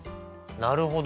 なるほど！